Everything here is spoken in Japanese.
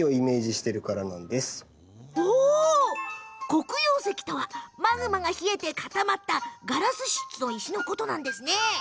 黒曜石とはマグマが冷えて固まったガラス質の石のことです。